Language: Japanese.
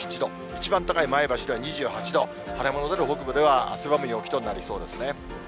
一番高い前橋では２８度、晴れ間の出る北部では、汗ばむ陽気となりそうですね。